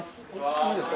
いいですか？